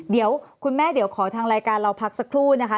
เดี๋ยวคุณแม่เดี๋ยวขอทางรายการเราพักสักครู่นะคะ